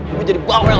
ibu jadi bawel sekarang